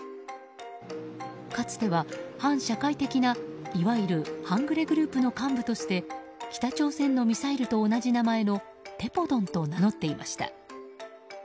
かつては反社会的な、いわゆる半グレグループの幹部として北朝鮮のミサイルと同じ名前のテポドンと名乗っていました。